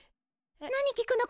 何聞くの？